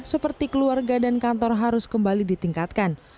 seperti keluarga dan kantor harus kembali ditingkatkan